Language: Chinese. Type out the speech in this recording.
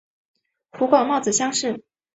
湖广戊子乡试。